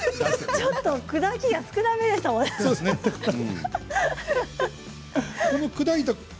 ちょっと砕きが少なめでしたよね。